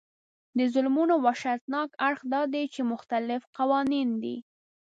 د ظلمونو وحشتناک اړخ دا دی چې مختلف قوانین دي.